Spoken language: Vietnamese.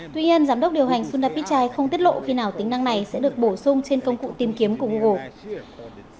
tuy nhiên giám đốc điều hành sundapitchai không tiết lộ khi nào tính năng này sẽ được bổ sung trên công cụ tìm kiếm của google